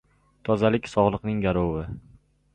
Tozalik – sog‘liqning garovi.